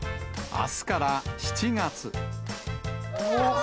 あすから７月。